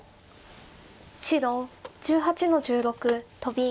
白１８の十六トビ。